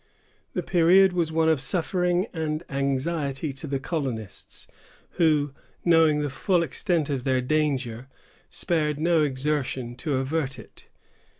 The period was one of suffering and anxiety to the colonists, who, knowing the full extent of their danger, spared no exertion to avert it.